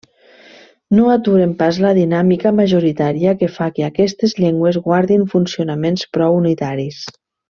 No aturen pas la dinàmica majoritària que fa que aquestes llengües guardin funcionaments prou unitaris.